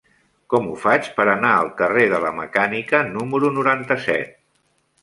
Com ho faig per anar al carrer de la Mecànica número noranta-set?